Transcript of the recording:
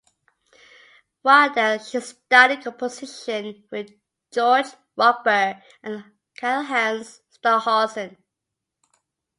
While there she studied composition with George Rochberg and Karlheinz Stockhausen.